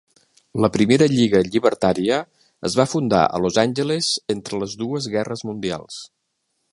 La primera Lliga Llibertària es va fundar a Los Angeles entre les dues guerres mundials.